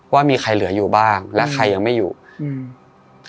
ว่ามีใครเหลืออยู่บ้างและใครยังไม่อยู่อืม